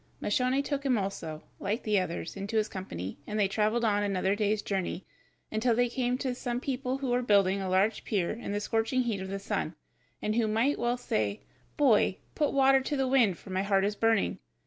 Moscione took him also, like the others, into his company, and they traveled on another day's journey, until they came to some people who were building a large pier in the scorching heat of the sun, and who might well say, "Boy, put water to the wind, for my heart is burning."